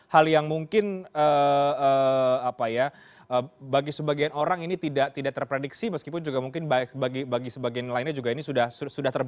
hal yang mungkin bagi sebagian orang ini tidak terprediksi meskipun juga mungkin bagi sebagian lainnya juga ini sudah terbukti